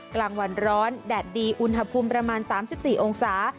กลางวันร้อนแดดดีอุณหภูมิประมาณ๓๔องศา